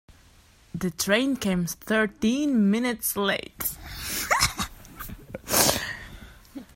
The train came thirteen minutes late.